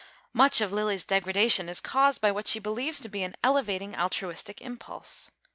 Much of Lilly's degradation is caused by what she believes to be an elevating altruistic impulse.